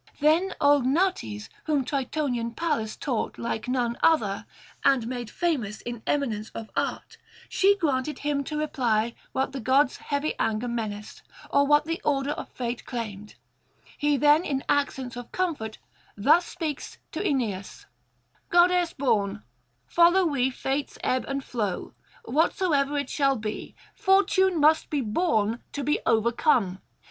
Then old Nautes, whom Tritonian Pallas taught like none other, and made famous in eminence of art she granted him to reply what the gods' heavy anger menaced or what the order of fate claimed he then in accents of comfort thus speaks to Aeneas: 'Goddess born, follow we fate's ebb and flow, whatsoever it shall be; fortune must be borne to be overcome.